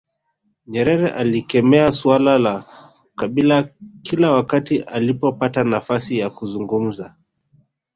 Nyerere alikemea suala la ukabila kila wakati alipopata nafasi ya kuzungumza